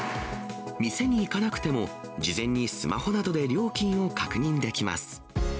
店に行かなくても、事前にスマホなどで料金を確認できます。